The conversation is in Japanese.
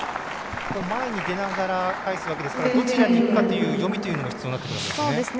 前にいきながら返すわけですからどちらにいくかという読みも必要になるんですね。